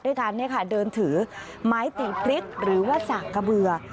ด้วยการเดินถือไม้ตีพริกหรือว่าสากกระเบือ